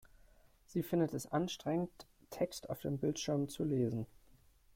Sie findet es anstrengend, Text auf dem Bildschirm zu lesen.